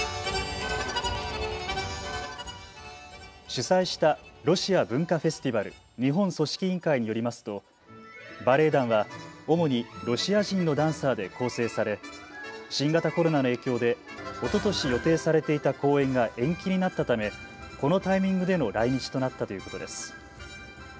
主催したロシア文化フェスティバル日本組織委員会によりますとバレエ団は主にロシア人のダンサーで構成され新型コロナの影響でおととし予定されていた公演が延期になったためこのタイミングでの来日となったということです。